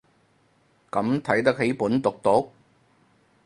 咁睇得起本毒毒